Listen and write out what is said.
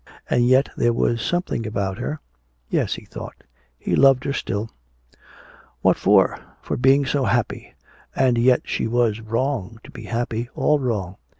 And yet there was something about her yes, he thought, he loved her still! What for? For being so happy! And yet she was wrong to be happy, all wrong!